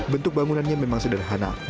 bentuk bangunannya memang sederhana